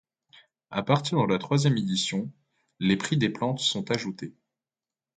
A partir de la troisième édition, les prix des plantes sont ajoutés.